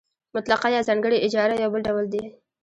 مطلقه یا ځانګړې اجاره یو بل ډول دی